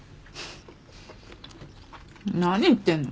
何言ってんの？